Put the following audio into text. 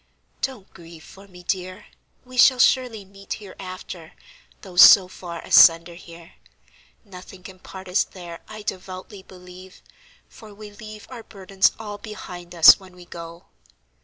"Don't grieve for me, dear; we shall surely meet hereafter, though so far asunder here. Nothing can part us there, I devoutly believe; for we leave our burdens all behind us when we go."